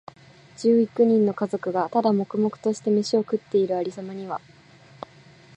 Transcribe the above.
十幾人の家族が、ただ黙々としてめしを食っている有様には、